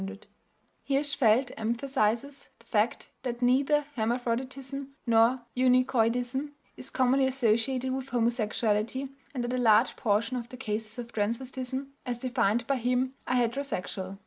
Hirschfeld emphasizes the fact that neither hermaphroditism nor eunuchoidism is commonly associated with homosexuality, and that a large proportion of the cases of transvestism, as defined by him, are heterosexual.